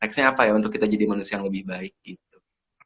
nextnya apa ya untuk kita jadi manusia yang lebih baik gitu